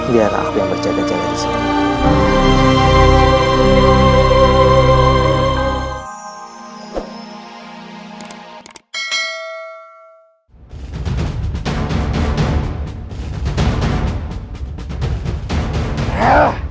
biar aku yang bercaga caga disini